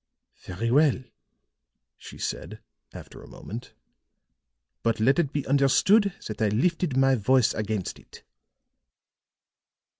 "Very well," she said, after a moment. "But let it be understood that I lifted my voice against it."